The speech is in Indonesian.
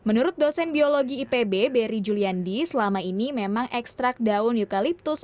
menurut dosen biologi ipb beri juliandi selama ini memang ekstrak daun eukaliptus